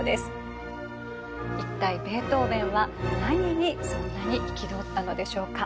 一体ベートーベンは何にそんなに憤ったのでしょうか？